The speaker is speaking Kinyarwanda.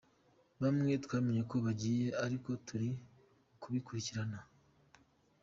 Bamwe twamenye ko bagiye ariko turi kubikurikirana.